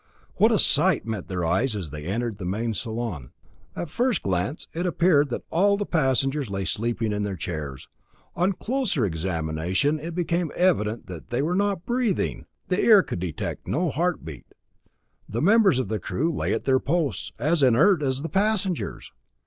What a sight met their eyes as they entered the main salon! At first glance it appeared that all the passengers lay sleeping in their chairs. On closer examination it became evident that they were not breathing! The ear could detect no heartbeat. The members of the crew lay at their posts, as inert as the passengers!